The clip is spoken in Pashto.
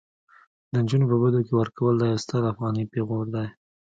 د انجونو په بدو کي ورکول دا يو ستر افغاني پيغور دي